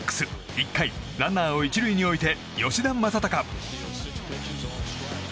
１回、ランナーを１塁に置いて吉田正尚。